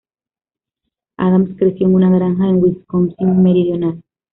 Adams creció en una granja en Wisconsin meridional.